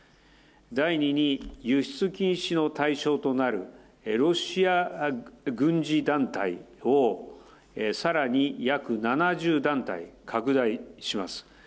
第２に輸出禁止の対象となるロシア軍事団体をさらに約７０団体拡大します。